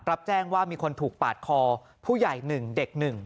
รับแจ้งว่ามีคนถูกปาดคอผู้ใหญ่๑เด็ก๑